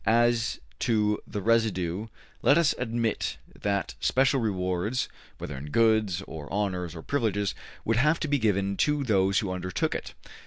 As to the residue let us admit that special rewards, whether in goods or honors or privileges, would have to be given to those who undertook it.